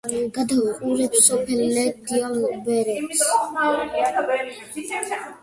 გადაჰყურებს სოფელ ლე–დიალბერეტს.